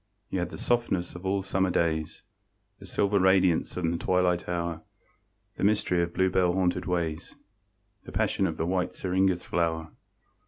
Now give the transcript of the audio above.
You had the softness of all Summer days, The silver radiance of the twilight hour, The mystery of bluebell haunted ways, The passion of the white syringa's flower.